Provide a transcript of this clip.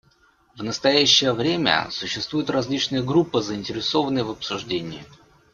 В настоящее время существуют различные группы, заинтересованные в обсуждении.